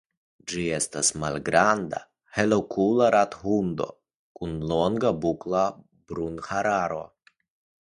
Ĝi estas malgranda, helokula rathundo kun longa bukla brunhararo.